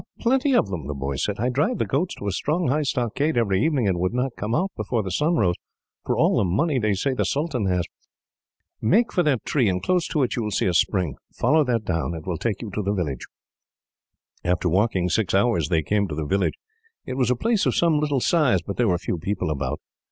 "Plenty of them," the boy said. "I drive the goats to a strong, high stockade every evening; and would not come out, before the sun rose, for all the money they say the sultan has. "Make for that tree, and close to it you will see a spring. Follow that down. It will take you to the village." After walking for six hours, they came to the village. It was a place of some little size, but there were few people about.